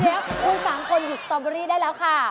เดี๋ยวคุณสามคนหยุดสตอเบอร์รี่ได้แล้วค่ะ